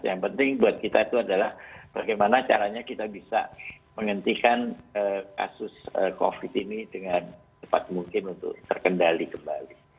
yang penting buat kita itu adalah bagaimana caranya kita bisa menghentikan kasus covid ini dengan cepat mungkin untuk terkendali kembali